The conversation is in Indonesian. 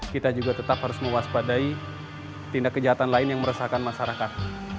kita juga tetap harus mewaspadai tindak kejahatan lain yang meresahkan masyarakat